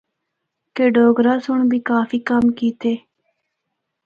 کہ ڈوگرہ سنڑ بھی کافی کم کیتے۔